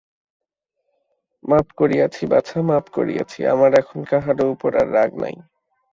মাপ করিয়াছি বাছা, মাপ করিয়াছি, আমার এখন কাহারো উপর আর রাগ নাই।